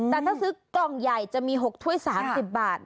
แต่ถ้าซื้อกล่องใหญ่จะมี๖ถ้วย๓๐บาท